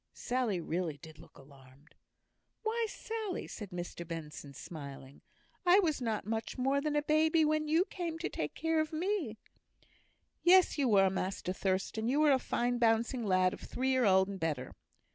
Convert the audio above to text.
Sally really did look alarmed. "Why, Sally!" said Mr Benson, smiling, "I was not much more than a baby when you came to take care of me." "Yes, you were, Master Thurstan; you were a fine bouncing lad of three year old and better."